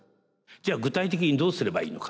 じゃあ具体的にどうすればいいのか？